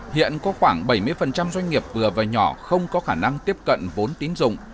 hiện có khoảng bảy mươi doanh nghiệp vừa và nhỏ không có khả năng tiếp cận vốn tín dụng